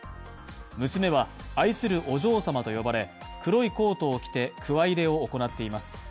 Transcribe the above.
娘は、愛するお嬢様と呼ばれ、黒いコートを着てくわ入れを行っています。